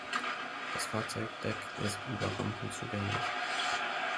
Das Fahrzeugdeck ist über Rampen zugänglich.